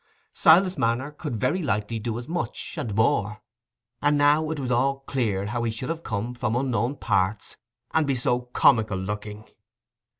Silas Marner could very likely do as much, and more; and now it was all clear how he should have come from unknown parts, and be so "comical looking".